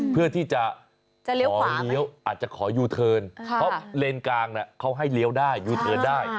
เพื่อที่จะขอเลี้ยวอาจจะขอยูเทิร์นเพราะเลนกลางเขาให้เลี้ยวได้ยูเทิร์นได้